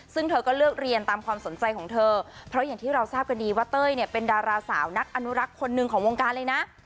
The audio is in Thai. ซึ่งเธอก็เลือกเรียนตามความสนใจของเธอเพราะอย่างที่เราทราบกันดีว่าเต้ยเนี่ยเป็นดาราสาวนักอนุรักษ์คนหนึ่งของวงการเลยนะ